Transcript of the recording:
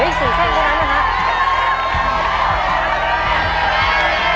อีก๔เส้นเท่านั้นนะครับ